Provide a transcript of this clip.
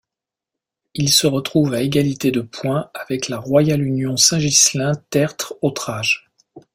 Il se retrouve à égalité de points avec la Royale Union Saint-Ghislain Tertre-Hautrage.